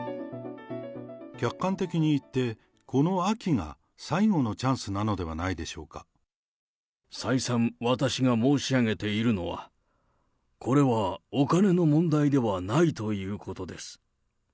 客観的にいって、この秋が最後のチャンスなのではないでしょ再三、私が申し上げているのは、これはお金の問題ではないということです。